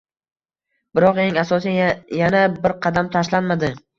Biroq eng asosiy yana bir qadam tashlanmadi.